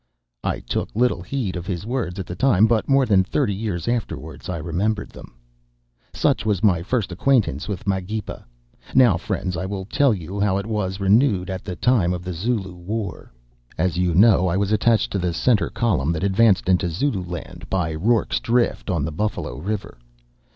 "I took little heed of his words at the time, but more than thirty years afterwards I remembered them. "Such was my first acquaintance with Magepa. Now, friends, I will tell you how it was renewed at the time of the Zulu War. "As you know, I was attached to the centre column that advanced into Zululand by Rorke's Drift on the Buffalo River.